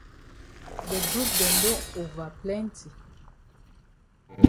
De group dem don ova plenti.